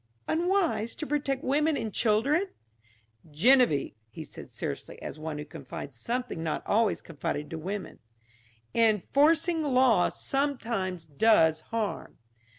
"Unwise to protect women and children?" "Geneviève," he said seriously, as one who confides something not always confided to women, "enforcing law sometimes does harm."